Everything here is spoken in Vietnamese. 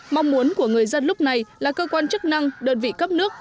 mong muốn của người dân lúc này là cơ quan chức năng đơn vị cấp nước